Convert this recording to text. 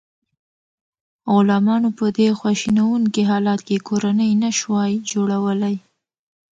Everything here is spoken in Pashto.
غلامانو په دې خواشینونکي حالت کې کورنۍ نشوای جوړولی.